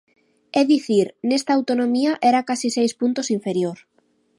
É dicir, nesta Autonomía era case seis puntos inferior.